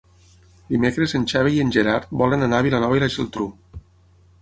Dimecres en Xavi i en Gerard volen anar a Vilanova i la Geltrú.